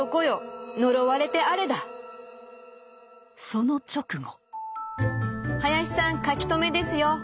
その直後。